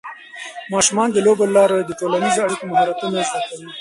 ماشومان د لوبو له لارې د ټولنیزو اړیکو مهارتونه زده کوي.